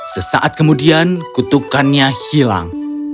sesaat kemudian kutukannya hilang